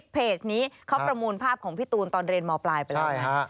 เพจนี้เขาประมูลภาพของพี่ตูนตอนเรียนมปลายไปแล้วนะ